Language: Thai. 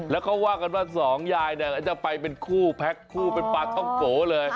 แล้วเขาว่ากันว่าสองยายเนี่ยจะไปเป็นคู่แพ็คคู่เป็นปลาท่องโกเลย